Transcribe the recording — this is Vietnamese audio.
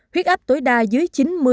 huyết áp tối đa dưới chín mươi